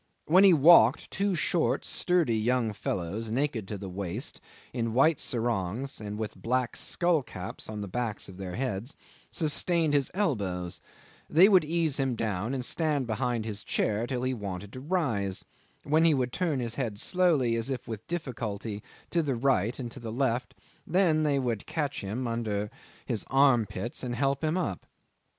When he walked, two short, sturdy young fellows, naked to the waist, in white sarongs and with black skull caps on the backs of their heads, sustained his elbows; they would ease him down and stand behind his chair till he wanted to rise, when he would turn his head slowly, as if with difficulty, to the right and to the left, and then they would catch him under his armpits and help him up.